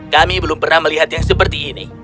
kami belum pernah melihat yang seperti ini